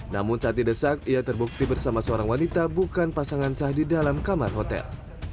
namun saat didesak ia terbukti bersama seorang wanita bukan pasangan sah di dalam kamar hotel